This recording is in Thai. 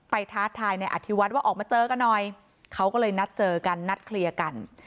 ท้าทายในอธิวัฒน์ว่าออกมาเจอกันหน่อยเขาก็เลยนัดเจอกันนัดเคลียร์กัน